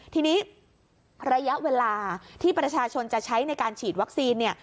ทีนี้ระยะเวลาที่ประชาชนจะใช้ในการฉีดวัคซีนเนี่ย